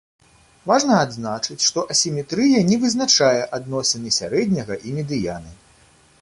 Важна адзначыць, што асіметрыя не вызначае адносіны сярэдняга і медыяны.